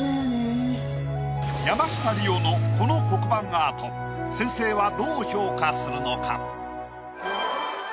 山下リオのこの黒板アート先生はどう評価するのか？